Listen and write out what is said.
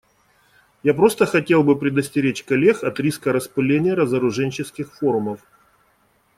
Я просто хотел бы предостеречь коллег от риска распыления разоружененческих форумов.